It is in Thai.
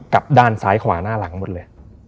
กับด้านซ้ายขวาหน้าหลังหมดเลย